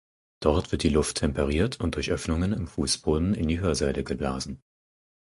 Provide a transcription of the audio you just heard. Dort wird die Luft temperiert und durch Öffnungen im Fußboden in die Hörsäle geblasen.